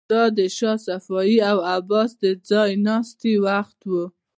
دا د شاه صفوي او عباس د ځای ناستي وخت و.